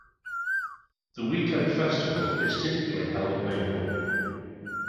The weekend festival is typically held in April.